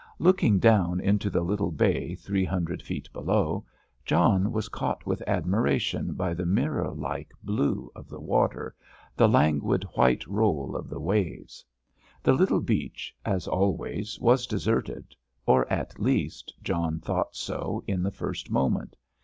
Looking down into the little bay three hundred feet below, John was caught with admiration by the mirror like blue of the water, the languid white roll of the waves. The little beach, as always, was deserted, or at least, John thought so in the first moment.